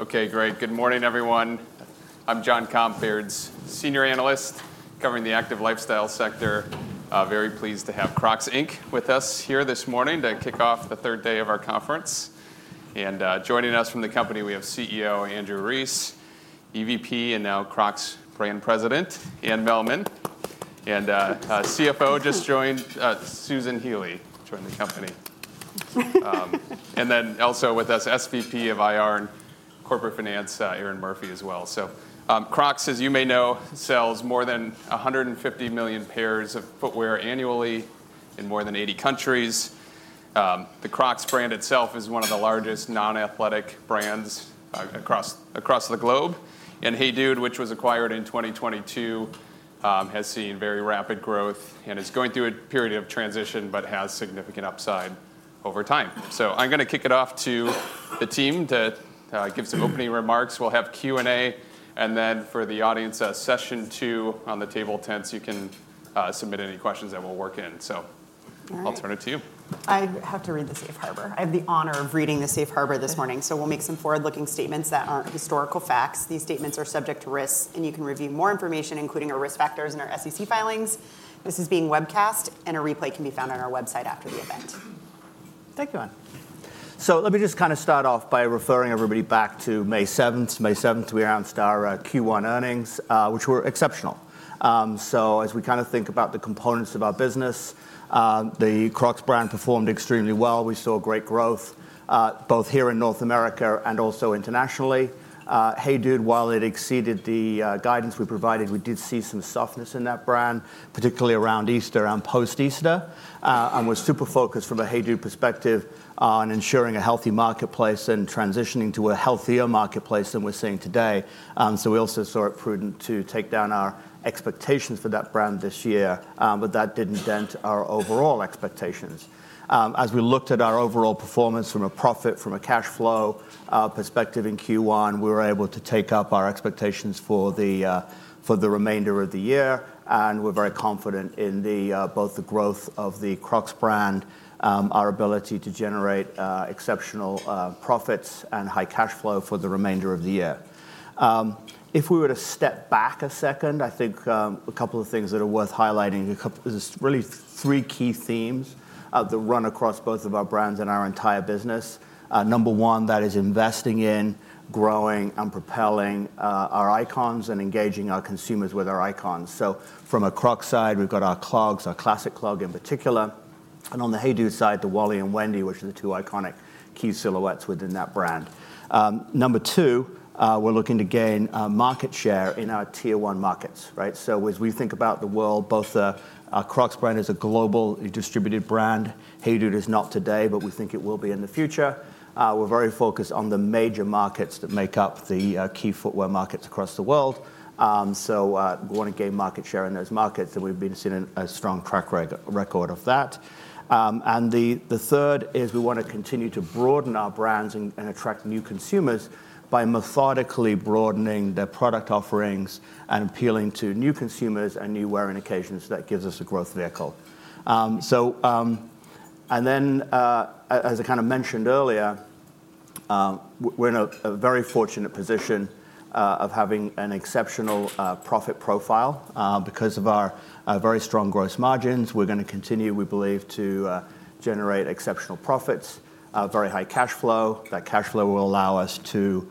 Okay, great. Good morning, everyone. I'm Jon Komp, Baird's senior analyst covering the active lifestyle sector. Very pleased to have Crocs, Inc. with us here this morning to kick off the third day of our conference. And joining us from the company, we have CEO Andrew Rees, EVP and now Crocs Brand President Anne Mehlman, and CFO, just joined the company, Susan Healy. And then also with us, SVP of IR and Corporate Finance, Erinn Murphy as well. So Crocs, as you may know, sells more than 150 million pairs of footwear annually in more than 80 countries. The Crocs Brand itself is one of the largest non-athletic brands, across the globe, and HEYDUDE, which was acquired in 2022, has seen very rapid growth and is going through a period of transition, but has significant upside over time. So I'm gonna kick it off to the team to give some opening remarks. We'll have Q&A, and then for the audience, session 2 on the table tents, you can submit any questions and we'll work in. I'll turn it to you. I have to read the Safe Harbor. I have the honor of reading the Safe Harbor this morning. So we'll make some forward-looking statements that aren't historical facts. These statements are subject to risks, and you can review more information, including our risk factors, in our SEC filings. This is being webcast, and a replay can be found on our website after the event. Thank you, Anne. So let me just kind of start off by referring everybody back to May 7th. May 7th, we announced our Q1 earnings, which were exceptional. So as we kind of think about the components of our business, the Crocs Brand performed extremely well. We saw great growth, both here in North America and also internationally. HEYDUDE, while it exceeded the guidance we provided, we did see some softness in that brand, particularly around Easter and post-Easter. And we're super focused from a HEYDUDE perspective on ensuring a healthy marketplace and transitioning to a healthier marketplace than we're seeing today. And so we also saw it prudent to take down our expectations for that brand this year, but that didn't dent our overall expectations. As we looked at our overall performance from a profit, from a cash flow, perspective in Q1, we were able to take up our expectations for the, for the remainder of the year, and we're very confident in the, both the growth of the Crocs Brand, our ability to generate, exceptional, profits and high cash flow for the remainder of the year. If we were to step back a second, I think, a couple of things that are worth highlighting, there's really three key themes, that run across both of our brands and our entire business. Number one, that is investing in, growing and propelling, our icons and engaging our consumers with our icons. So from a Crocs side, we've got our clogs, our Classic Clog in particular, and on the HEYDUDE side, the Wally and Wendy, which are the two iconic key silhouettes within that brand. Number two, we're looking to gain market share in our tier 1 markets, right? So as we think about the world, both the Crocs Brand is a global distributed brand. HEYDUDE is not today, but we think it will be in the future. We're very focused on the major markets that make up the key footwear markets across the world. So, we want to gain market share in those markets, and we've been seeing a strong track record of that. And the third is we want to continue to broaden our brands and attract new consumers by methodically broadening their product offerings and appealing to new consumers and new wearing occasions. That gives us a growth vehicle. And then, as I kind of mentioned earlier, we're in a very fortunate position of having an exceptional profit profile. Because of our very strong gross margins, we're gonna continue, we believe, to generate exceptional profits, very high cash flow. That cash flow will allow us to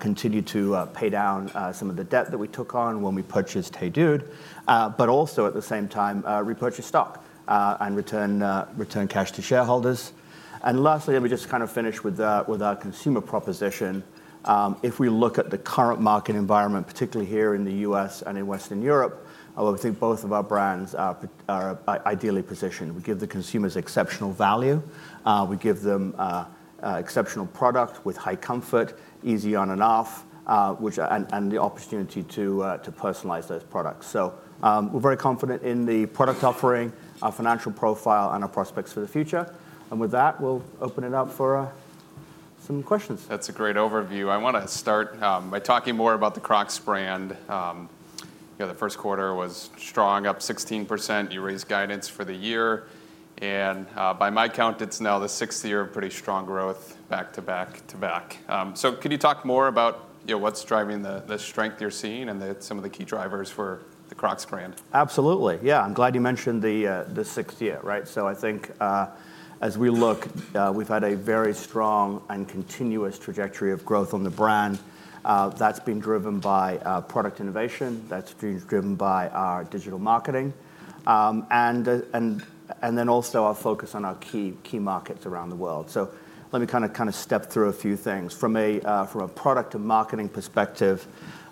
continue to pay down some of the debt that we took on when we purchased HEYDUDE, but also at the same time, repurchase stock and return cash to shareholders. And lastly, let me just kind of finish with our consumer proposition. If we look at the current market environment, particularly here in the U.S. and in Western Europe, I would think both of our brands are ideally positioned. We give the consumers exceptional value, we give them exceptional product with high comfort, easy on and off, and the opportunity to personalize those products. So, we're very confident in the product offering, our financial profile, and our prospects for the future. And with that, we'll open it up for some questions. That's a great overview. I want to start by talking more about the Crocs Brand. You know, the first quarter was strong, up 16%. You raised guidance for the year, and by my count, it's now the sixth year of pretty strong growth back to back to back. So could you talk more about, you know, what's driving the strength you're seeing and some of the key drivers for the Crocs Brand? Absolutely. Yeah, I'm glad you mentioned the, the sixth year, right? So I think, as we look, we've had a very strong and continuous trajectory of growth on the brand. That's been driven by, product innovation, that's been driven by our digital marketing, and then also our focus on our key markets around the world. So let me kind of step through a few things. From a product and marketing perspective,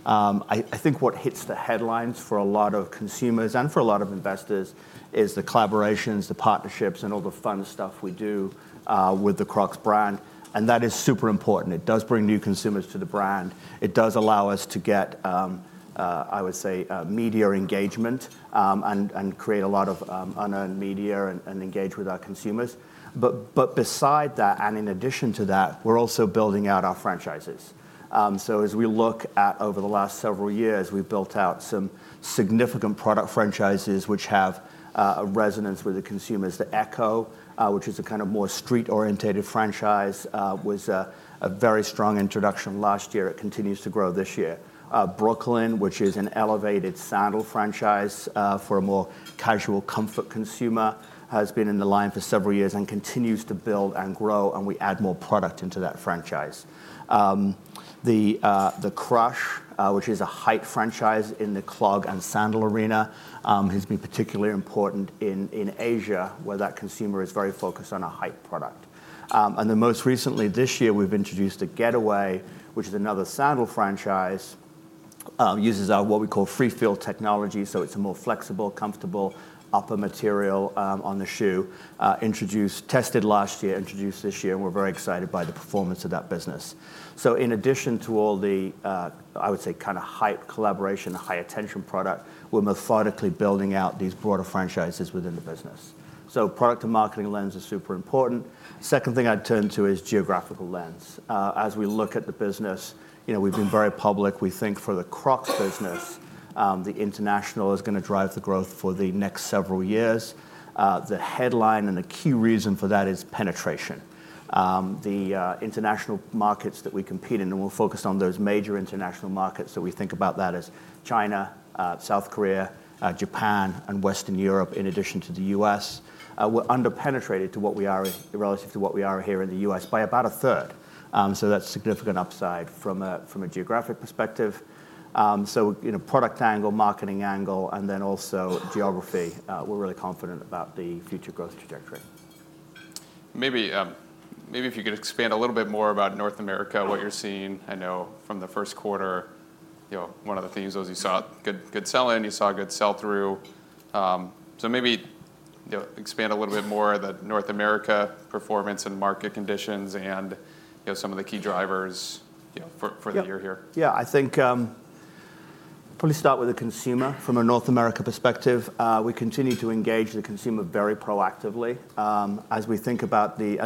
I think what hits the headlines for a lot of consumers and for a lot of investors is the collaborations, the partnerships, and all the fun stuff we do with the Crocs Brand, and that is super important. It does bring new consumers to the brand. It does allow us to get, I would say, media engagement, and create a lot of unearned media and engage with our consumers. But besides that, and in addition to that, we're also building out our franchises. So as we look at over the last several years, we've built out some significant product franchises which have a resonance with the consumers. The Echo, which is a kind of more street-oriented franchise, was a very strong introduction last year. It continues to grow this year. Brooklyn, which is an elevated sandal franchise for a more casual comfort consumer, has been in the line for several years and continues to build and grow, and we add more product into that franchise. The Crush, which is a height franchise in the clog and sandal arena, has been particularly important in Asia, where that consumer is very focused on a height product. And then most recently this year, we've introduced a Getaway, which is another sandal franchise, uses our, what we call Free Feel Technology. So it's a more flexible, comfortable upper material on the shoe. Tested last year, introduced this year, and we're very excited by the performance of that business. So in addition to all the, I would say, kind of hype collaboration, high-attention product, we're methodically building out these broader franchises within the business. So product and marketing lens is super important. Second thing I'd turn to is geographical lens. As we look at the business, you know, we've been very public. We think for the Crocs business, the international is gonna drive the growth for the next several years. The headline and the key reason for that is penetration. The international markets that we compete in, and we're focused on those major international markets, so we think about that as China, South Korea, Japan, and Western Europe, in addition to the U.S. We're underpenetrated to what we are, relative to what we are here in the U.S. by about a third. So that's significant upside from a geographic perspective. So, you know, product angle, marketing angle, and then also geography, we're really confident about the future growth trajectory. Maybe, maybe if you could expand a little bit more about North America, what you're seeing, I know from the first quarter, you know, one of the themes was you saw good, good sell-in, you saw good sell-through. So maybe, you know, expand a little bit more the North America performance and market conditions, and, you know, some of the key drivers, you know, for, for the year here. Yeah, I think probably start with the consumer from a North America perspective. We continue to engage the consumer very proactively. As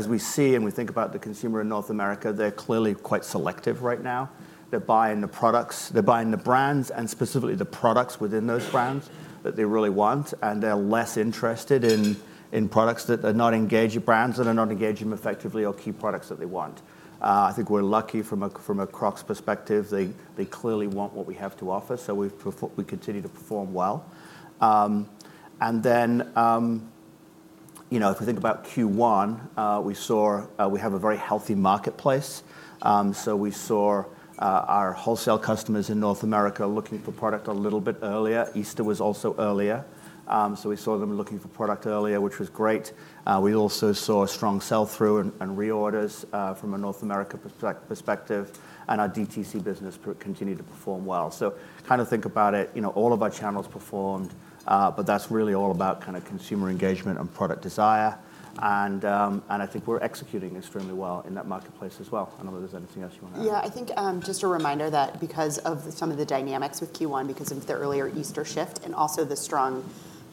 we see and we think about the consumer in North America, they're clearly quite selective right now. They're buying the products, they're buying the brands and specifically the products within those brands that they really want, and they're less interested in products that are not engaging, brands that are not engaging effectively or key products that they want. I think we're lucky from a Crocs perspective, they clearly want what we have to offer, so we continue to perform well. You know, if we think about Q1, we saw, we have a very healthy marketplace. So we saw our wholesale customers in North America looking for product a little bit earlier. Easter was also earlier. So we saw them looking for product earlier, which was great. We also saw a strong sell-through and reorders from a North America perspective, and our DTC business continued to perform well. So kind of think about it, you know, all of our channels performed, but that's really all about kind of consumer engagement and product desire. And I think we're executing extremely well in that marketplace as well. I don't know if there's anything else you want to add. Yeah, I think, just a reminder that because of some of the dynamics with Q1, because of the earlier Easter shift and also the strong,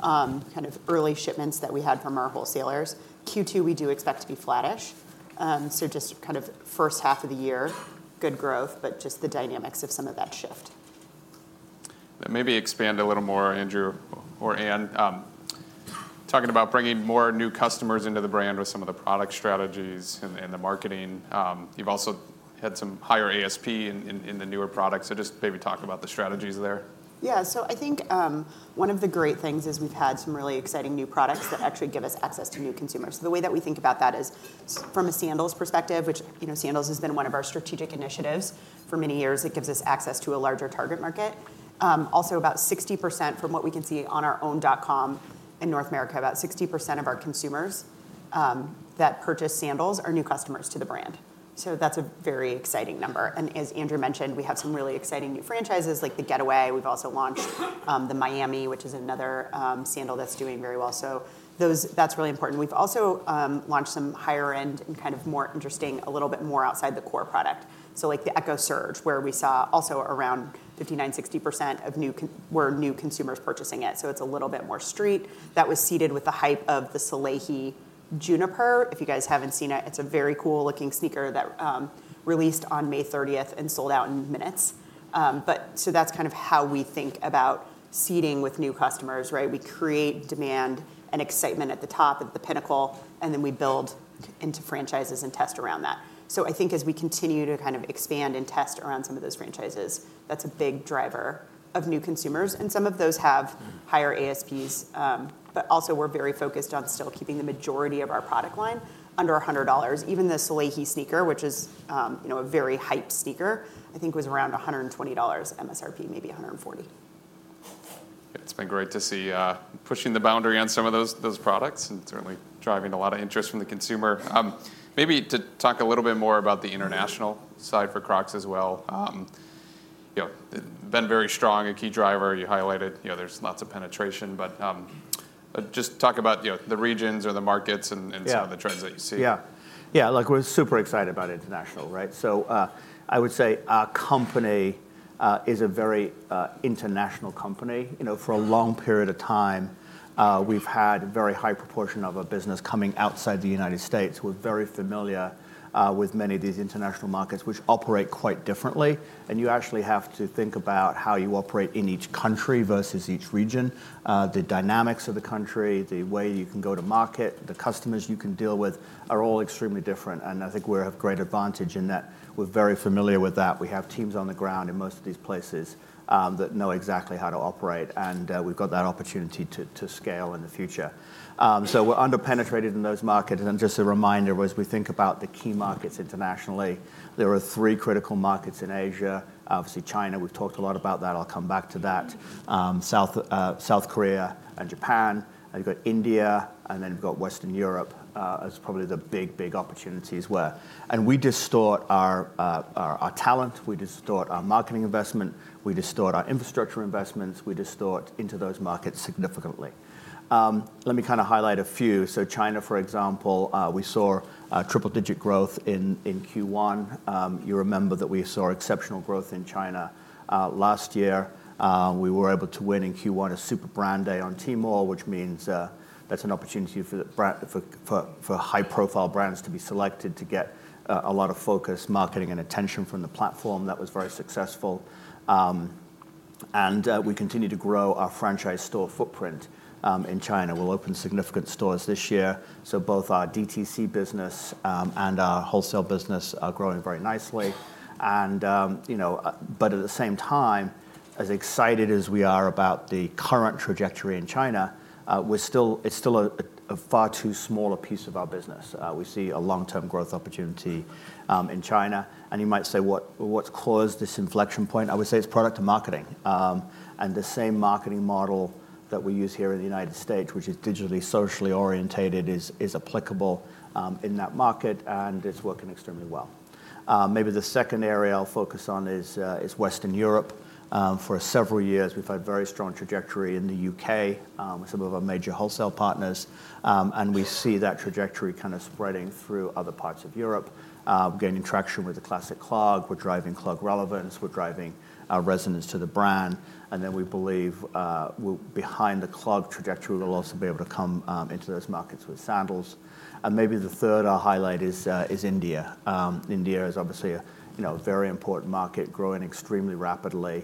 kind of early shipments that we had from our wholesalers, Q2, we do expect to be flattish. So just kind of first half of the year, good growth, but just the dynamics of some of that shift. Maybe expand a little more, Andrew or Anne, talking about bringing more new customers into the brand with some of the product strategies and the marketing. You've also had some higher ASP in the newer products, so just maybe talk about the strategies there. Yeah. So I think, one of the great things is we've had some really exciting new products that actually give us access to new consumers. The way that we think about that is from a sandals perspective, which, you know, sandals has been one of our strategic initiatives for many years. It gives us access to a larger target market. Also, about 60% from what we can see on our own dot-com in North America, about 60% of our consumers that purchase sandals are new customers to the brand. So that's a very exciting number. And as Andrew mentioned, we have some really exciting new franchises like the Getaway. We've also launched the Miami, which is another sandal that's doing very well. So those, that's really important. We've also launched some higher end and kind of more interesting, a little bit more outside the core product. So like the Echo Surge, where we saw also around 59%-60% of new consumers purchasing it, so it's a little bit more street. That was seeded with the hype of the Salehe Juniper. If you guys haven't seen it, it's a very cool-looking sneaker that released on May 30th and sold out in minutes. But so that's kind of how we think about seeding with new customers, right? We create demand and excitement at the top, at the pinnacle, and then we build into franchises and test around that. So I think as we continue to kind of expand and test around some of those franchises, that's a big driver of new consumers, and some of those have higher ASPs. But also, we're very focused on still keeping the majority of our product line under $100. Even the Salehe sneaker, which is, you know, a very hyped sneaker, I think was around $120 MSRP, maybe $140. It's been great to see pushing the boundary on some of those products and certainly driving a lot of interest from the consumer. Maybe to talk a little bit more about the international side for Crocs as well. You know, been very strong, a key driver. You highlighted, you know, there's lots of penetration, but just talk about, you know, the regions or the markets and, and some of the trends that you see. Yeah. Yeah, look, we're super excited about international, right? So, I would say our company is a very international company. You know, for a long period of time, we've had a very high proportion of our business coming outside the United States. We're very familiar with many of these international markets, which operate quite differently, and you actually have to think about how you operate in each country versus each region. The dynamics of the country, the way you can go to market, the customers you can deal with are all extremely different, and I think we have great advantage in that. We're very familiar with that. We have teams on the ground in most of these places that know exactly how to operate, and we've got that opportunity to scale in the future. So, we're under-penetrated in those markets. And then just a reminder, as we think about the key markets internationally, there are three critical markets in Asia. Obviously, China, we've talked a lot about that. I'll come back to that. South Korea and Japan, and you've got India, and then we've got Western Europe, as probably the big, big opportunities where we distort our talent, we distort our marketing investment, we distort our infrastructure investments, we distort into those markets significantly. Let me kind of highlight a few. So China, for example, we saw triple-digit growth in Q1. You remember that we saw exceptional growth in China last year. We were able to win in Q1 a Super Brand Day on Tmall, which means that's an opportunity for high-profile brands to be selected to get a lot of focus, marketing, and attention from the platform. That was very successful. We continue to grow our franchise store footprint in China. We'll open significant stores this year, so both our DTC business and our wholesale business are growing very nicely. You know, but at the same time, as excited as we are about the current trajectory in China, we're still, it's still a far too smaller piece of our business. We see a long-term growth opportunity in China, and you might say what's caused this inflection point? I would say it's product and marketing. And the same marketing model that we use here in the United States, which is digitally, socially oriented, is applicable in that market, and it's working extremely well. Maybe the second area I'll focus on is Western Europe. For several years, we've had very strong trajectory in the U.K., some of our major wholesale partners, and we see that trajectory kind of spreading through other parts of Europe. We're gaining traction with the Classic Clog. We're driving clog relevance. We're driving resonance to the brand, and then we believe behind the clog trajectory, we'll also be able to come into those markets with sandals. And maybe the third I'll highlight is India. India is obviously a you know, very important market, growing extremely rapidly.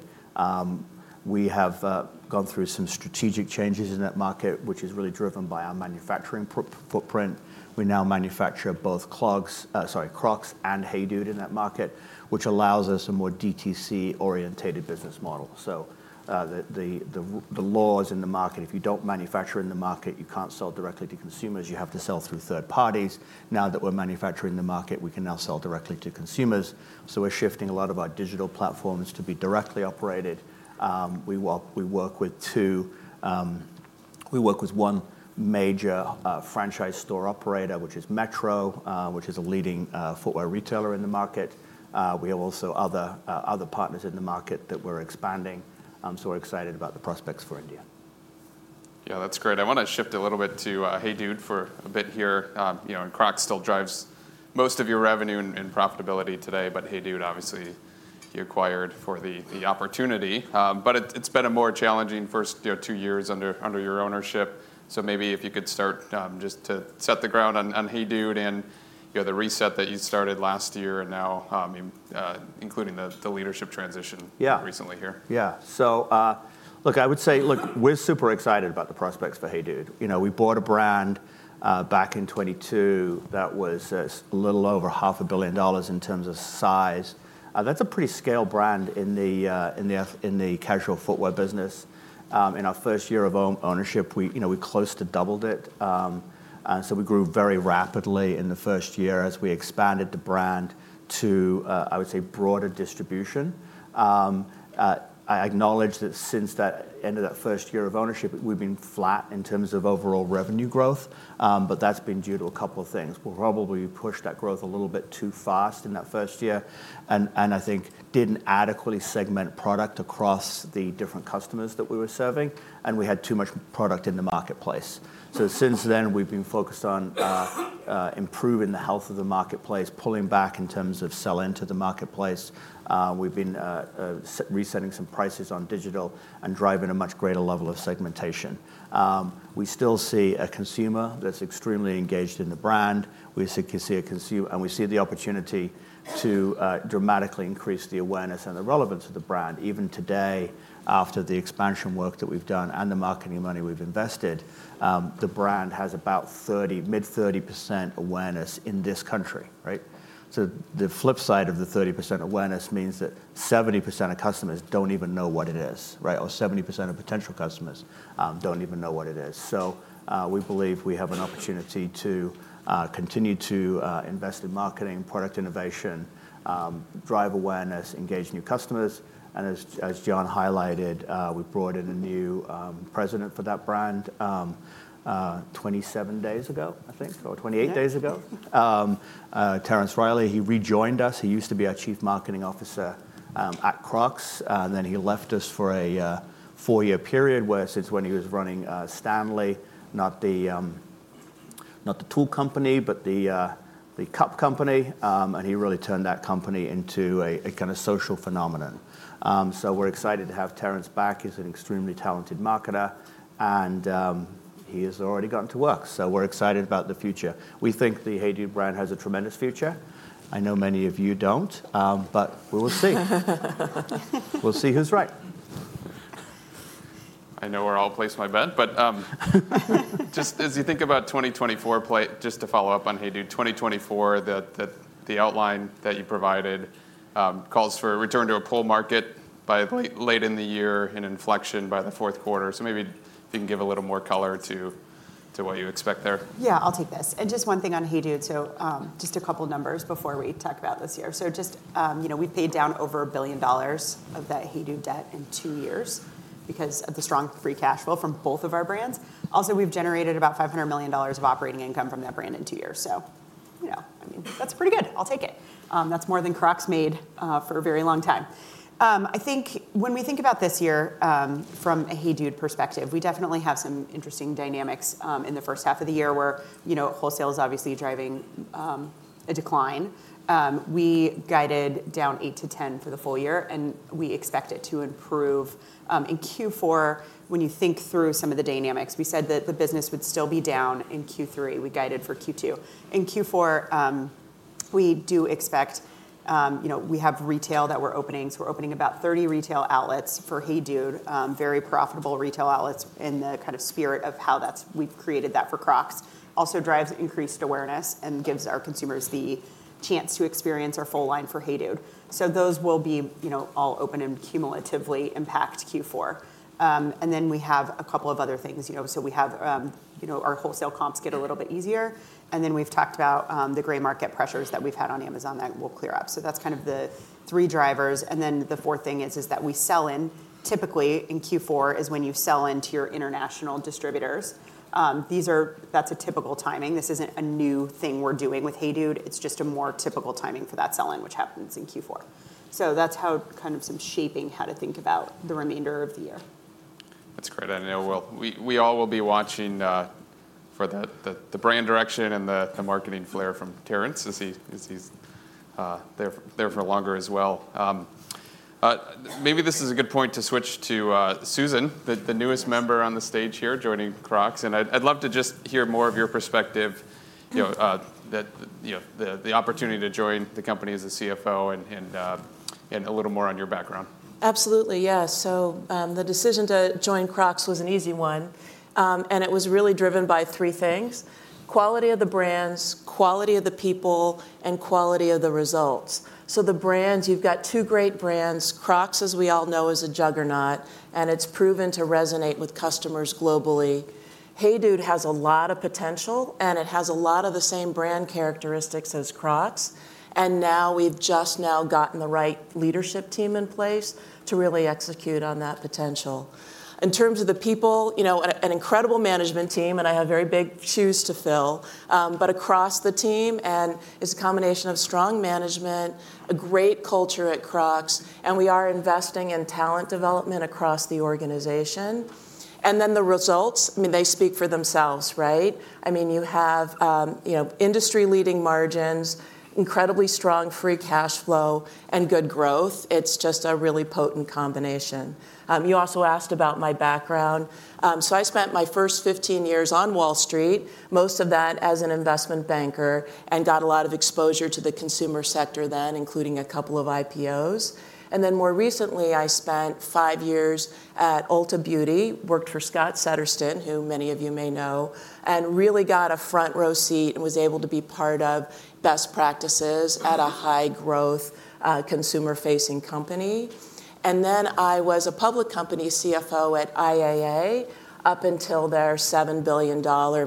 We have gone through some strategic changes in that market, which is really driven by our manufacturing footprint. We now manufacture both Crocs and HEYDUDE in that market, which allows us a more DTC-oriented business model. So, the laws in the market, if you don't manufacture in the market, you can't sell directly to consumers. You have to sell through third parties. Now that we're manufacturing in the market, we can now sell directly to consumers, so we're shifting a lot of our digital platforms to be directly operated. We work with one major franchise store operator, which is Metro, which is a leading footwear retailer in the market. We have also other partners in the market that we're expanding. We're excited about the prospects for India. Yeah, that's great. I want to shift a little bit to HEYDUDE for a bit here. You know, and Crocs still drives most of your revenue and profitability today, but HEYDUDE, obviously, you acquired for the opportunity. But it's been a more challenging first, you know, two years under your ownership. So maybe if you could start just to set the ground on HEYDUDE, and you know, the reset that you started last year and now, including the leadership transition recently here. Yeah. So, look, I would say, look, we're super excited about the prospects for HEYDUDE. You know, we bought a brand, back in 2022. That was, a little over $500 million in terms of size. That's a pretty scale brand in the casual footwear business. In our first year of ownership, you know, we close to doubled it. And so we grew very rapidly in the first year as we expanded the brand to, I would say, broader distribution. I acknowledge that since the end of that first year of ownership, we've been flat in terms of overall revenue growth, but that's been due to a couple of things. We'll probably push that growth a little bit too fast in that first year and I think didn't adequately segment product across the different customers that we were serving, and we had too much product in the marketplace. So since then, we've been focused on improving the health of the marketplace, pulling back in terms of sell into the marketplace. We've been resetting some prices on digital and driving a much greater level of segmentation. We still see a consumer that's extremely engaged in the brand. We see and we see the opportunity to dramatically increase the awareness and the relevance of the brand. Even today, after the expansion work that we've done and the marketing money we've invested, the brand has about 30, mid-30% awareness in this country, right? So the flip side of the 30% awareness means that 70% of customers don't even know what it is, right? Or 70% of potential customers don't even know what it is. So, we believe we have an opportunity to continue to invest in marketing, product innovation, drive awareness, engage new customers, and as Jon highlighted, we brought in a new president for that brand, 27 days ago, I think, or 28 days ago. Terence Reilly, he rejoined us. He used to be our chief marketing officer at Crocs, and then he left us for a 4-year period where since when he was running Stanley, not the tool company, but the cup company. And he really turned that company into a kind of social phenomenon. So we're excited to have Terence back. He's an extremely talented marketer, and he has already gotten to work, so we're excited about the future. We think the HEYDUDE brand has a tremendous future. I know many of you don't, but we will see. We'll see who's right. I know where I'll place my bet, but just as you think about 2024—just to follow up on HEYDUDE, 2024, the outline that you provided calls for a return to a pull market by late in the year and inflection by the fourth quarter. So maybe if you can give a little more color to what you expect there. Yeah, I'll take this. Just one thing on HEYDUDE. So, just a couple numbers before we talk about this year. So just, you know, we paid down over $1 billion of that HEYDUDE debt in two years because of the strong free cash flow from both of our brands. Also, we've generated about $500 million of operating income from that brand in two years. So, you know, I mean, that's pretty good. I'll take it. That's more than Crocs made for a very long time. I think when we think about this year, from a HEYDUDE perspective, we definitely have some interesting dynamics in the first half of the year, where, you know, wholesale is obviously driving a decline. We guided down 8-10 for the full year, and we expect it to improve. In Q4, when you think through some of the dynamics, we said that the business would still be down in Q3. We guided for Q2. In Q4, we do expect. You know, we have retail that we're opening, so we're opening about 30 retail outlets for HEYDUDE. Very profitable retail outlets in the kind of spirit of how that's—we've created that for Crocs. Also drives increased awareness and gives our consumers the chance to experience our full line for HEYDUDE. So those will be, you know, all open and cumulatively impact Q4. And then we have a couple of other things, you know, so we have, you know, our wholesale comps get a little bit easier, and then we've talked about, the gray market pressures that we've had on Amazon that will clear up. So that's kind of the three drivers. And then the fourth thing is that we sell typically, in Q4 is when you sell into your international distributors. That's a typical timing. This isn't a new thing we're doing with HEYDUDE. It's just a more typical timing for that selling, which happens in Q4. So that's how kind of some shaping how to think about the remainder of the year. That's great, and I know we all will be watching for the brand direction and the marketing flair from Terence as he's there for longer as well. Maybe this is a good point to switch to Susan, the newest member on the stage here, joining Crocs, and I'd love to just hear more of your perspective, you know, the opportunity to join the company as a CFO and a little more on your background. Absolutely, yeah. So, the decision to join Crocs was an easy one, and it was really driven by three things: quality of the brands, quality of the people, and quality of the results. So the brands, you've got two great brands. Crocs, as we all know, is a juggernaut, and it's proven to resonate with customers globally. HEYDUDE has a lot of potential, and it has a lot of the same brand characteristics as Crocs, and now we've just now gotten the right leadership team in place to really execute on that potential. In terms of the people, you know, an incredible management team, and I have very big shoes to fill. But across the team, and it's a combination of strong management, a great culture at Crocs, and we are investing in talent development across the organization. And then the results, I mean, they speak for themselves, right? I mean, you have, you know, industry-leading margins, incredibly strong free cash flow, and good growth. It's just a really potent combination. You also asked about my background. So I spent my first 15 years on Wall Street, most of that as an investment banker, and got a lot of exposure to the consumer sector then, including a couple of IPOs. And then more recently, I spent five years at Ulta Beauty, worked for Scott Settersten, who many of you may know, and really got a front-row seat and was able to be part of best practices at a high-growth, consumer-facing company. And then I was a public company CFO at IAA up until their $7 billion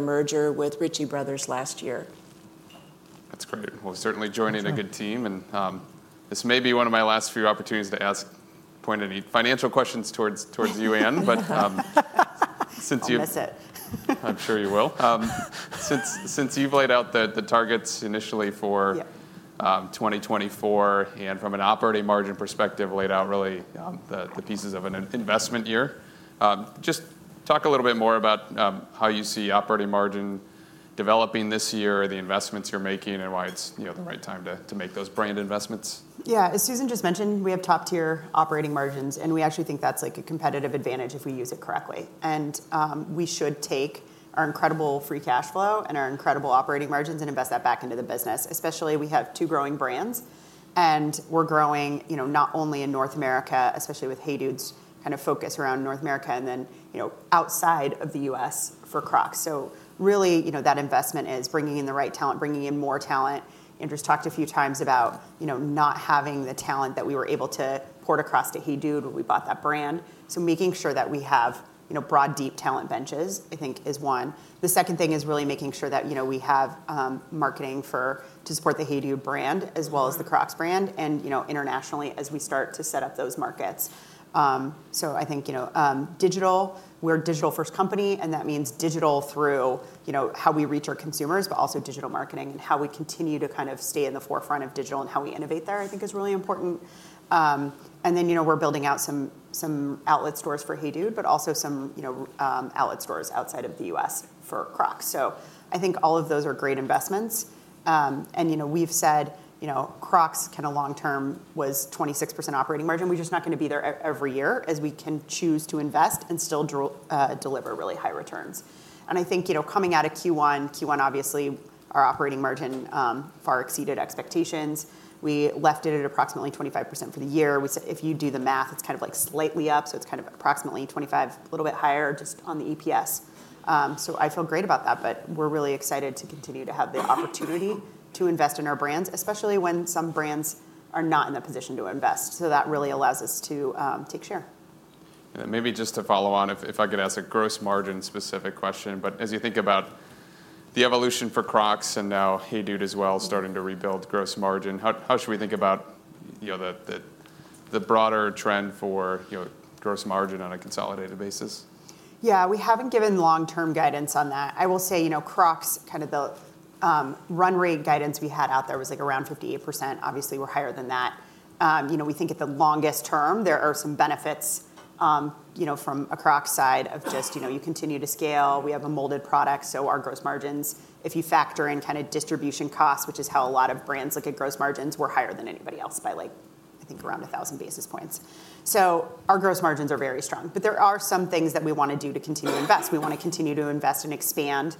merger with Ritchie Bros. last year. That's great. That's right. Well, certainly joining a good team, and this may be one of my last few opportunities to point any financial questions towards you, Anne, but since you- I'll miss it. I'm sure you will. Since you've laid out the targets initially for 2024, and from an operating margin perspective, laid out really, the pieces of an investment year, just talk a little bit more about, how you see operating margin developing this year, the investments you're making, and why it's, you know, the right time to make those brand investments. Yeah. As Susan just mentioned, we have top-tier operating margins, and we actually think that's, like, a competitive advantage if we use it correctly. And, we should take our incredible free cash flow and our incredible operating margins and invest that back into the business. Especially, we have two growing brands, and we're growing, you know, not only in North America, especially with HEYDUDE's kind of focus around North America, and then, you know, outside of the U.S. for Crocs. So really, you know, that investment is bringing in the right talent, bringing in more talent. Andrew's talked a few times about, you know, not having the talent that we were able to port across to HEYDUDE when we bought that brand. So making sure that we have, you know, broad, deep talent benches, I think is one. The second thing is really making sure that, you know, we have marketing for, to support the HEYDUDE brand, as well as the Crocs Brand and, you know, internationally, as we start to set up those markets. So I think, you know, digital, we're a digital-first company, and that means digital through, you know, how we reach our consumers, but also digital marketing and how we continue to kind of stay in the forefront of digital and how we innovate there, I think is really important. And then, you know, we're building out some outlet stores for HEYDUDE but also some, you know, outlet stores outside of the U.S. for Crocs. So I think all of those are great investments. And you know, we've said, you know, Crocs' kind of long term was 26% operating margin. We're just not going to be there every year, as we can choose to invest and still deliver really high returns. And I think, you know, coming out of Q1, Q1, obviously, our operating margin far exceeded expectations. We left it at approximately 25% for the year, which if you do the math, it's kind of like slightly up, so it's kind of approximately 25, a little bit higher just on the EPS. So I feel great about that, but we're really excited to continue to have the opportunity to invest in our brands, especially when some brands are not in a position to invest. So that really allows us to take share. Maybe just to follow on, if I could ask a gross margin-specific question, but as you think about the evolution for Crocs and now HEYDUDE as well, starting to rebuild gross margin. How should we think about, you know, the broader trend for, you know, gross margin on a consolidated basis? Yeah, we haven't given long-term guidance on that. I will say, you know, Crocs, kind of the run rate guidance we had out there was, like, around 58%. Obviously, we're higher than that. You know, we think at the longest term there are some benefits, you know, from a Crocs side of just, you know, you continue to scale. We have a molded product, so our gross margins, if you factor in kind of distribution costs, which is how a lot of brands look at gross margins, we're higher than anybody else by, like, I think around 1,000 basis points. So our gross margins are very strong, but there are some things that we wanna do to continue to invest. We wanna continue to invest and expand,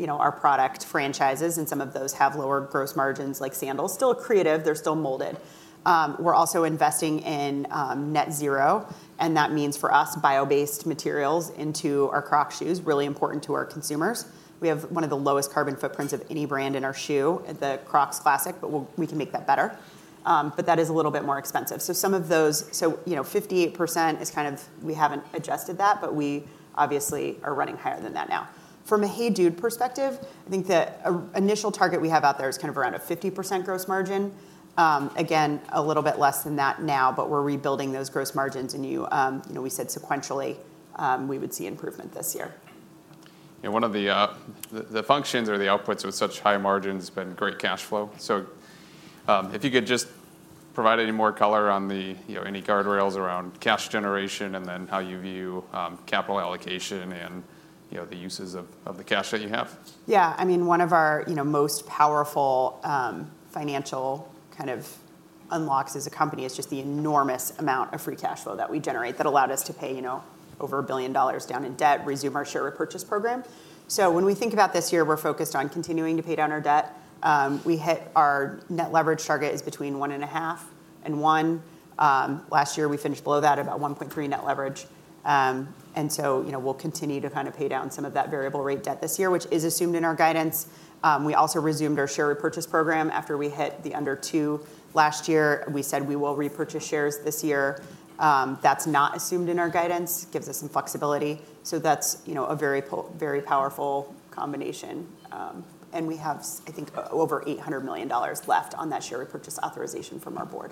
you know, our product franchises, and some of those have lower gross margins, like sandals. Still creative, they're still molded. We're also investing in net zero, and that means, for us, bio-based materials into our Crocs shoes, really important to our consumers. We have one of the lowest carbon footprints of any brand in our shoe, the Crocs Classic, but we can make that better. But that is a little bit more expensive. So some of those... So, you know, 58% is kind of. We haven't adjusted that, but we obviously are running higher than that now. From a HEYDUDE perspective, I think the initial target we have out there is kind of around a 50% gross margin. Again, a little bit less than that now, but we're rebuilding those gross margins, and you, you know, we said sequentially, we would see improvement this year. Yeah, one of the functions or the outputs with such high margins has been great cash flow. So, if you could just provide any more color on the, you know, any guardrails around cash generation, and then how you view capital allocation and, you know, the uses of the cash that you have. Yeah, I mean, one of our, you know, most powerful, financial kind of unlocks as a company is just the enormous amount of free cash flow that we generate that allowed us to pay, you know, over $1 billion down in debt, resume our share repurchase program. So when we think about this year, we're focused on continuing to pay down our debt. We hit. Our net leverage target is between 1.5 and 1. Last year, we finished below that, about 1.3 net leverage. And so, you know, we'll continue to kind of pay down some of that variable rate debt this year, which is assumed in our guidance. We also resumed our share repurchase program after we hit the under 2 last year. We said we will repurchase shares this year. That's not assumed in our guidance, gives us some flexibility. So that's, you know, a very powerful combination. And we have, I think, over $800 million left on that share repurchase authorization from our board.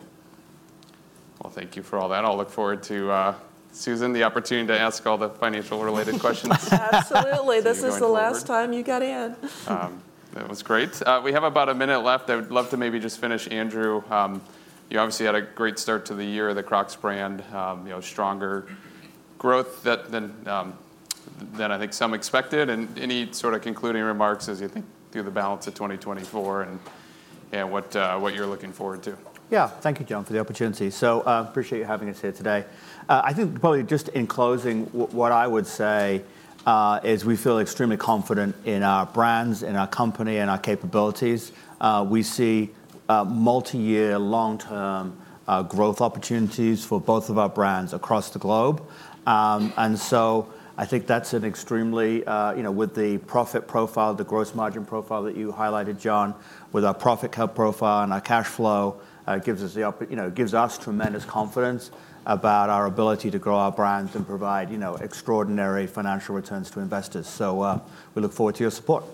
Well, thank you for all that. I'll look forward to, Susan, the opportunity to ask all the financial-related questions. Absolutely. Going forward. This is the last time you get in. That was great. We have about a minute left. I would love to maybe just finish, Andrew. You obviously had a great start to the year, the Crocs Brand, you know, stronger growth than I think some expected, and any sort of concluding remarks as you think through the balance of 2024 and, yeah, what you're looking forward to? Yeah. Thank you, John, for the opportunity. So, appreciate you having us here today. I think probably just in closing, what I would say is we feel extremely confident in our brands, in our company, and our capabilities. We see multi-year, long-term growth opportunities for both of our brands across the globe. And so I think that's an extremely, you know, with the profit profile, the gross margin profile that you highlighted, John, with our profit health profile and our cash flow, gives us, you know, gives us tremendous confidence about our ability to grow our brands and provide, you know, extraordinary financial returns to investors. So, we look forward to your support.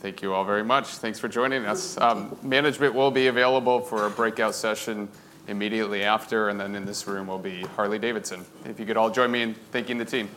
Thank you all very much. Thanks for joining us. Management will be available for a breakout session immediately after, and then in this room will be Harley-Davidson. If you could all join me in thanking the team.